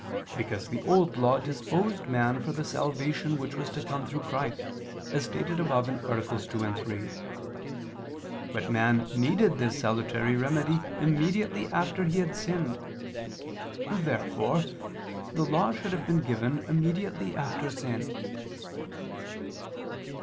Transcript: Because the Old Law disposed man for the salvation which was to come through Christ, as stated above (AA. 2, 3). But man needed this salutary remedy immediately after he had sinned. Therefore the Law should have been given immediately after sin.